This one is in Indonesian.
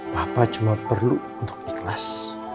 papa cuma perlu untuk ikhlas